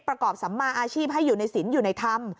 สัมมาอาชีพให้อยู่ในศิลป์อยู่ในธรรม